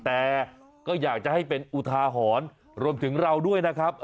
แต่ก็อยากจะให้เป็นอุทาหรณ์รวมถึงเราด้วยนะครับ